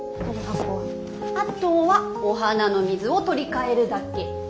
あとはお花の水を取り替えるだけ。